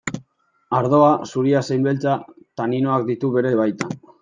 Ardoa, zuria zein beltza, taninoak ditu bere baitan.